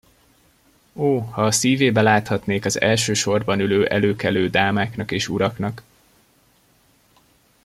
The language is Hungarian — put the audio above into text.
Ó, ha a szívébe láthatnék az első sorban ülő előkelő dámáknak és uraknak!